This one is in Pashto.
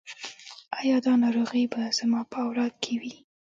ایا دا ناروغي به زما په اولاد کې وي؟